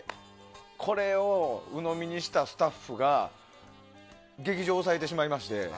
これを鵜呑みにしたスタッフが劇場を押さえてしまいまして。